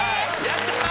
やったー！